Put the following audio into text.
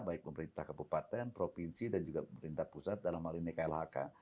baik pemerintah kabupaten provinsi dan juga pemerintah pusat dalam hal ini klhk